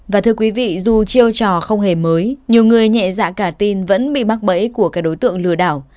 và thưa quý vị dù chiêu trò không hề mới nhiều người nhẹ dạ cả tin vẫn bị mắc bẫy của các đối tượng lừa đảo